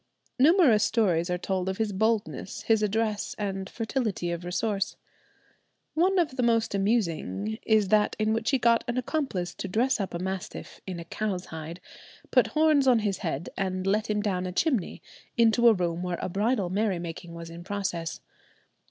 Numerous stories are told of his boldness, his address, and fertility of resource. One of the most amusing is that in which he got an accomplice to dress up a mastiff in a cow's hide, put horns on his head, and let him down a chimney, into a room where a bridal merrymaking was in progress.